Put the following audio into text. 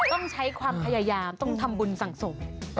ต้องใช้ความพยายามต้องทำบุญสั่งสม